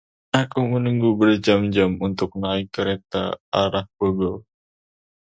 Aku menunggu berjam-jam untuk naik kereta arah Bogor.